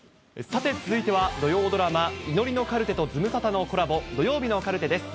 さて、続いては土曜ドラマ、祈りのカルテとズムサタのコラボ、土曜日のカルテです。